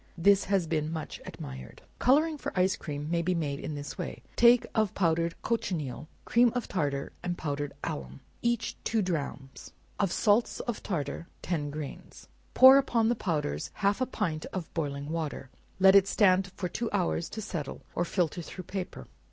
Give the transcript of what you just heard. This has been much admired. Coloring for ice cream, may be made in this way: take of powdered cochineal, cream of tartar and powdered alum, each two drachms; of salts of tartar, ten grains; pour upon the powders half a pint of boiling water; let it stand for two hours to settle, or filter through paper.